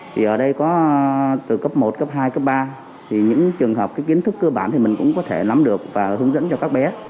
thì ở đây có từ cấp một cấp hai cấp ba thì những trường hợp cái kiến thức cơ bản thì mình cũng có thể nắm được và hướng dẫn cho các bé